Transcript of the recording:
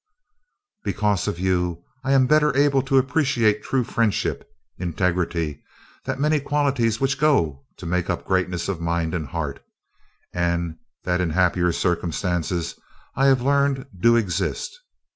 "Because of you, I am the better able to appreciate true friendship, integrity, the many qualities which go to make up greatness of mind and heart, and that in happier circumstances I have learned do exist.